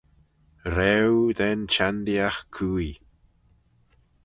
Raaue da'n çhendeeaght cooie.